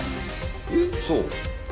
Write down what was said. えっそう？